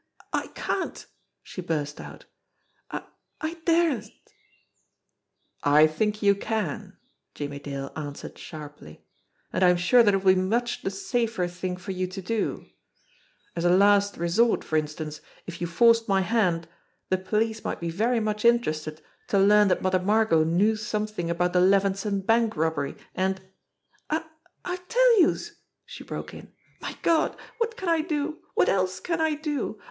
"I I can't!" she burst out. "I I daresn't!" "I think you can," Jimmie Dale answered sharply. "And I am sure that it will be much the safer thing for you to do. As a last resort, for instance, if you forced my hand, the police might be very much interested to learn that Mother Margot knew something about the Levenson Bank robbery, and " "I I'll tell youse !" she broke in. "My Gawd, wot can I do? Wot else can I do?